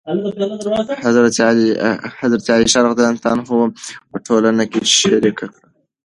حضرت عایشه رضي الله عنها علم په ټولنه کې شریک کړ.